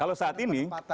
kalau saat ini